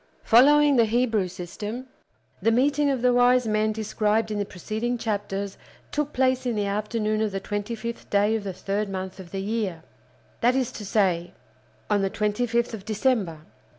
Following the Hebrew system, the meeting of the wise men described in the preceding chapters took place in the afternoon of the twenty fifth day of the third month of the year; that is to say, on the twenty fifth day of December.